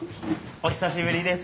お久しぶりです！